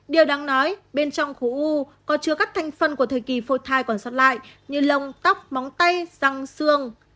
điều đáng nói bên trong khối u có chứa các thành phần của thời kỳ phôi thai còn sót lại như lông tóc móng tay răng xương